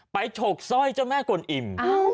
ไปฉกซอยเจ้าแม่กลนอิ่ม